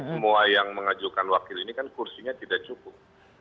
semua yang mengajukan wakil ini kan kursinya tidak cukup